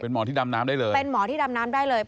เป็นหมอที่ดำน้ำได้เลย